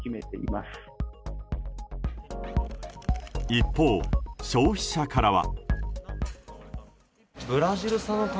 一方、消費者からは。